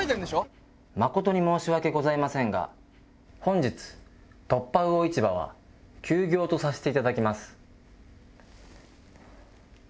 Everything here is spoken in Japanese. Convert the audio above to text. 誠に申し訳ございませんが本日突破魚市場は休業とさせていただきます。